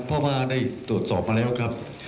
เพราะว่าได้ตรวจสอบมาแล้วครับ